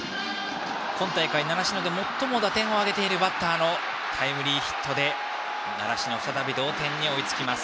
今大会、習志野で最も打点を挙げているバッターのタイムリーヒットで習志野、再び同点に追いつきます。